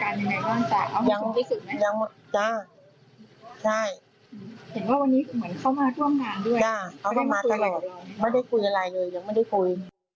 เขามาตลอดไม่ได้คุยอะไรเลยยังไม่ได้คุย